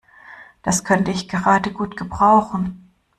Das könnte ich gerade gut gebrauchen.